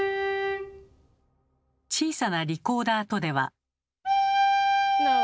小さなリコーダーとでは。